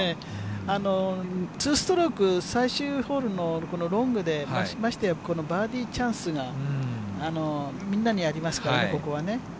２ストローク、最終ホールのこのロングで、ましてやこのバーディーチャンスが、みんなにありますからね、ここはね。